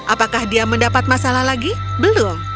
apakah dia mendapat masalah lagi belum